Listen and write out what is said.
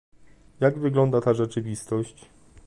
Jak wygląda ta rzeczywistość?